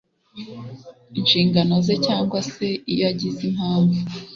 Inshingano ze cyangwa se iyo agize impamvu